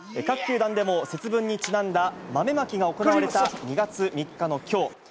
各球団でも節分にちなんだ豆まきが行われた２月３日のきょう。